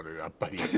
やっぱり。